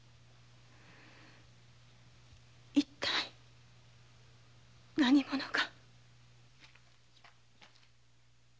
一体何者が？